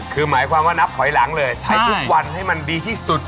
คือหมายความว่านับถอยหลังเลยใช้ทุกวันให้มันดีที่สุด